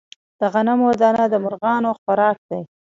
د غنمو دانه د مرغانو خوراک دی.